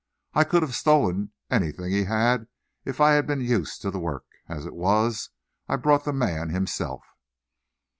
I could have stolen anything he had if I had been used to the work. As it was I brought the man himself."